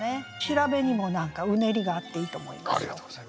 調べにも何かうねりがあっていいと思います。